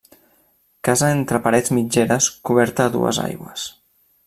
Casa entre parets mitgeres coberta a dues aigües.